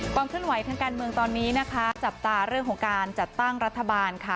เคลื่อนไหวทางการเมืองตอนนี้นะคะจับตาเรื่องของการจัดตั้งรัฐบาลค่ะ